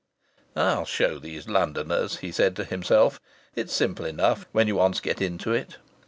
("I'll show these Londoners!" he said to himself. "It's simple enough when you once get into it.")